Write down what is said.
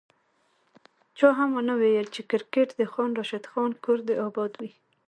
چا هم ونه ویل چي کرکیټ د خان راشد خان کور دي اباد وي